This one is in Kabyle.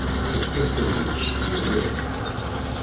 Efk-as ad yečč, yeluẓ.